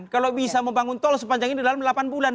kalau bisa membangun tol sepanjang ini dalam delapan bulan